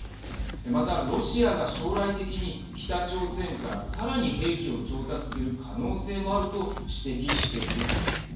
また、ロシアが将来的に北朝鮮から、さらに兵器を調達する可能性もあると指摘しているんです。